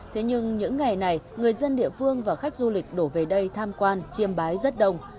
thế nhưng những ngày này người dân địa phương và khách du lịch đổ về đây tham quan chiêm bái rất đông